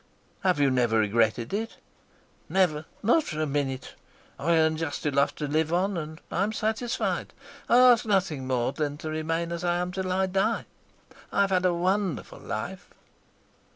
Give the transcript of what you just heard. "Have you never regretted it?" "Never, not for a minute. I earn just enough to live upon, and I'm satisfied. I ask nothing more than to remain as I am till I die. I've had a wonderful life."